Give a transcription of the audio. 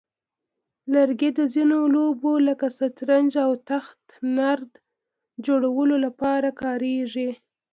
لرګي د ځینو لوبو لکه شطرنج او تخته نرد جوړولو لپاره کارېږي.